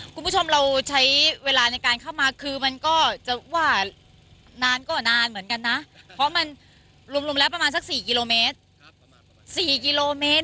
คุณผู้ชมเราใช้เวลาในการเข้ามาคือมันก็จะว่านานก็นานเหมือนกันนะเพราะมันรวมแล้วประมาณสัก๔กิโลเมตร๔กิโลเมตร